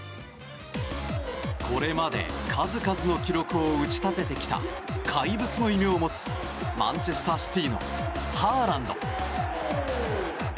これまで数々の記録を打ち立ててきた怪物の異名を持つマンチェスター・シティのハーランド。